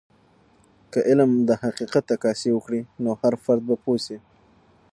که علم د حقیقت عکاسي وکړي، نو هر فرد به پوه سي.